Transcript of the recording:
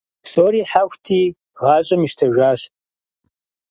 Псори хьэхути, гъащӀэм ищтэжащ.